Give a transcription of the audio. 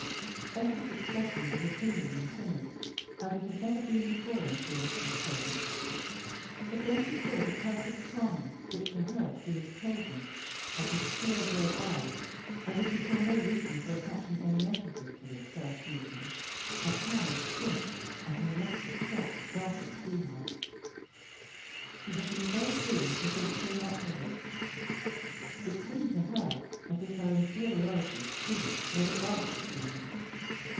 Esther's expression was appealing and timid, as it had never been before in Felix's presence; but when she saw the perfect calmness, which to her seemed coldness, of his clear gray eyes, as if he saw no reason for attaching any emphasis to this first meeting, a pang swift as an electric shock darted through her. She had been very foolish to think so much of it. It seemed to her as if her inferiority to Felix made a gulf between them.